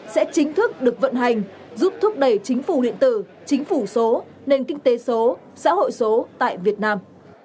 sẽ chính thức được vận hành giúp thúc đẩy chính phủ điện tử chính phủ số nền kinh tế số xã hội số tại việt nam